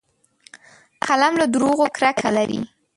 قلم له دروغو کرکه لري